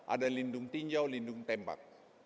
ada lindung tinjau lindung tembak